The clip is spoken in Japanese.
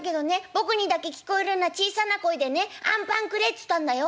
僕にだけ聞こえるような小さな声でね『あんパンくれ』っつったんだよ。